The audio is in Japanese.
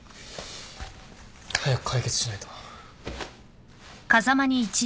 早く解決しないと。